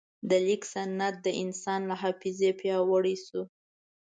د لیک سند د انسان له حافظې پیاوړی شو.